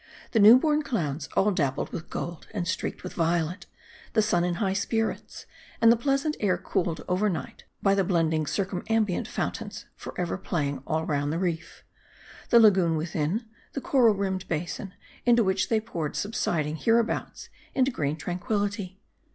The new horn clouds all dappled with gold, and streaked with violet ; the sun in high spirits ; and the pleasant air cooled overnight hy the blend ing circumambient fountains, forever playing all round the reef; the lagoon within, the coral rimmed basin, into which they poured, subsiding, hereabouts, into green tranquillity.